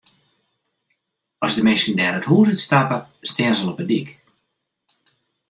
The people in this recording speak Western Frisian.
As de minsken dêr it hûs út stappe, stean se al op de dyk.